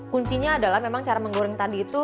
kunci nya memang adalah cara menggoreng tadi itu